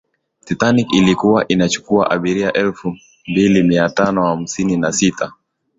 titanic ilikuwa inachukua abiria elfu mbili mia tano hamsini na sita